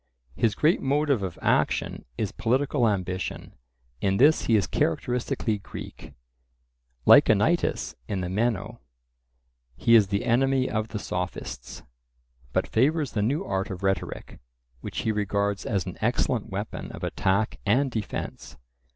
His great motive of action is political ambition; in this he is characteristically Greek. Like Anytus in the Meno, he is the enemy of the Sophists; but favours the new art of rhetoric, which he regards as an excellent weapon of attack and defence.